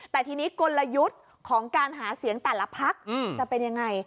แต่ทีนี้กลยุทธ์ของการหาเสียงแต่ละพักจะเป็นยังไง